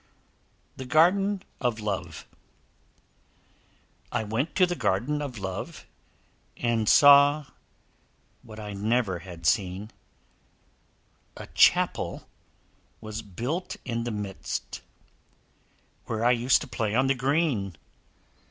THE GARDEN OF LOVE I went to the Garden of Love, And saw what I never had seen; A Chapel was built in the midst, Where I used to play on the green.